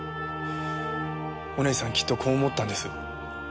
お姉さんきっとこう思ったんです。